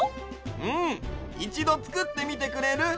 うんいちどつくってみてくれる？